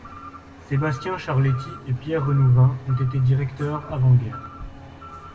Sébastien Charléty et Pierre Renouvin ont été directeurs avant guerre.